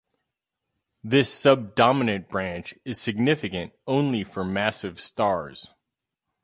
This subdominant branch is significant only for massive stars.